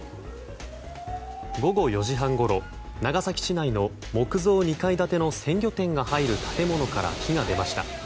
午後４時半ごろ長崎市内の木造２階建ての鮮魚店が入る建物から火が出ました。